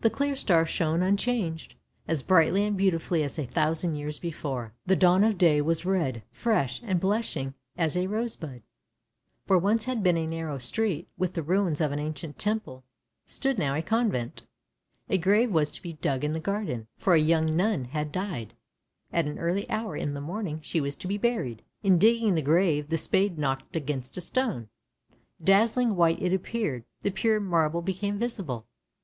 The clear star shone unchanged, as brightly and beautifully as a thousand years before; the dawn of day was red, fresh, and blushing as a rose bud. Where once had been a narrow street, with the ruins of an ancient temple, stood now a convent. A grave was to be dug in the garden, for a young nun had died, and at an early hour in the morning she was to be buried. In digging the grave the spade knocked against a stone. Dazzling white it appeared — the pure marble became visible.